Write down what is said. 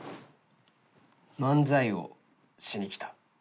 漫才をしに来た。